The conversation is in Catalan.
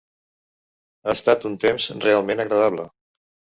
Ha estat un temps realment agradable.